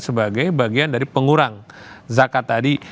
sebagai bagian dari pengurang zakat tadi